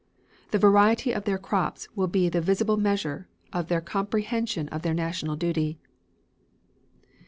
The variety of their crops will be the visible measure of their comprehension of their national duty.